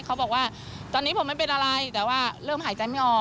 เขาบอกว่าตอนนี้ผมไม่เป็นอะไรแต่ว่าเริ่มหายใจไม่ออก